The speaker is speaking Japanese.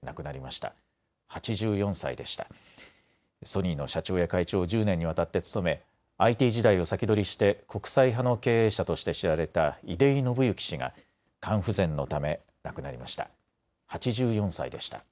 ソニーの社長や会長を１０年にわたって務めＩＴ時代を先取りして国際派の経営者として知られた出井伸之氏が肝不全のため亡くなりました。